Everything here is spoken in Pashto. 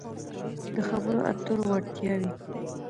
-د خبرو اترو وړتیاوې